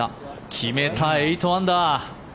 決めた、８アンダー。